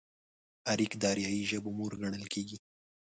اريک د اريايي ژبو مور ګڼل کېږي.